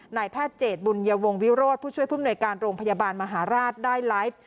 นายแพทย์เจตบุญยวงวิโรธผู้ช่วยภูมิหน่วยการโรงพยาบาลมหาราชได้ไลฟ์